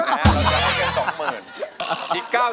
ครับมีแฟนเขาเรียกร้อง